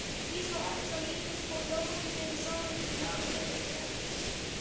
Regional efforts are needed to support global nuclear disarmament and non-proliferation efforts.